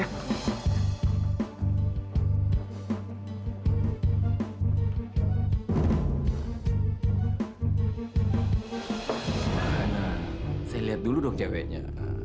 nah saya lihat dulu dong ceweknya